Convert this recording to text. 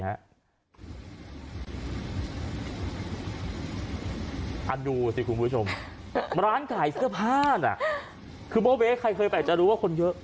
ดูสิคุณผู้ชมร้านขายเสื้อผ้าน่ะคือโบเว้ใครเคยไปจะรู้ว่าคนเยอะ